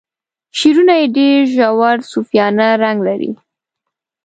شعرونه یې ډیر ژور صوفیانه رنګ لري.